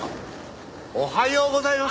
おはようございます。